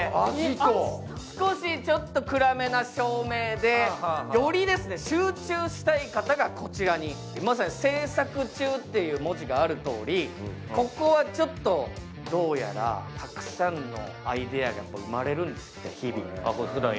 少し暗めな照明で、より集中したい方がこちらに、まさに「制作中」という文字があるとおり、ここは、どうやらたくさんのアイデアが日々生まれるんですって。